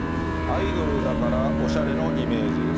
アイドルだからオシャレのイメージ。